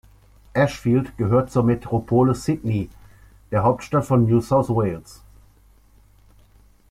Ashfield gehört zur Metropole Sydney, der Hauptstadt von New South Wales.